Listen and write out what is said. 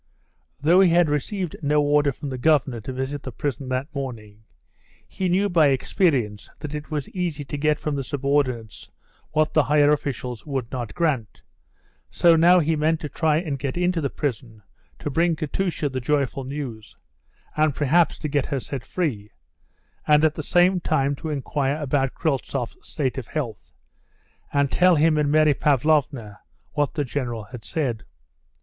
Though he had received no order from the governor to visit the prison that morning, he knew by experience that it was easy to get from the subordinates what the higher officials would not grant, so now he meant to try and get into the prison to bring Katusha the joyful news, and perhaps to get her set free, and at the same time to inquire about Kryltzoff's state of health, and tell him and Mary Pavlovna what the general had said.